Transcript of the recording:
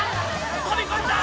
飛び込んだ！